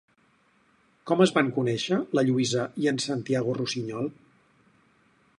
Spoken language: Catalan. Com es van conèixer la Lluïsa i en Santiago Rusiñol?